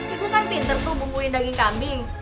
ibu kan pinter tuh bukuin daging kambing